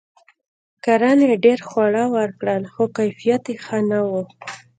کرنې ډیر خواړه ورکړل؛ خو کیفیت یې ښه نه و.